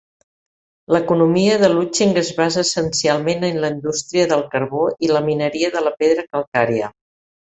L'economia de Lucheng es basa essencialment en la indústria del carbó i la mineria de pedra calcària.